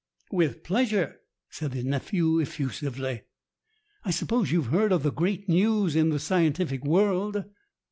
"With pleasure," said the nephew effusively. "I suppose you've heard of the great news in the scientific world?"